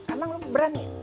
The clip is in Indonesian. amang lo berani